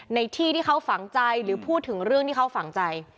ในที่ที่เขาฝังใจหรือพูดถึงเรื่องที่เขาฝังใจ